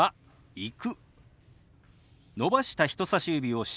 「行く」。